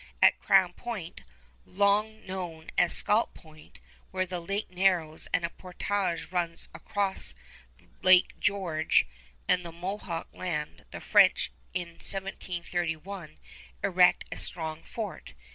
At Crown Point, long known as Scalp Point, where the lake narrows and portage runs across to Lake George and the Mohawk land, the French in 1731 erect a strong fort.